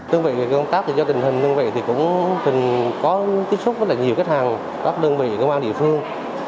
đơn vị công tác thì do tình hình đơn vị thì cũng có tiếp xúc rất là nhiều khách hàng các đơn vị công an địa phương